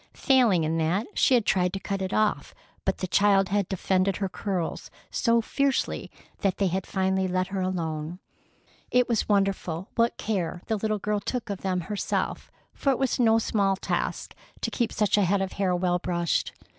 Failing in that, she had tried to cut it off, but the child had defended her curls so fiercely that they had finally let her alone. It was wonderful what care the little girl took of them herself, for it was no small task to keep such a head of hair well brushed.